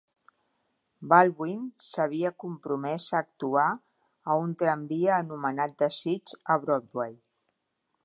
Baldwin s'havia compromès a actuar a "Un tramvia anomenat desig" a Broadway.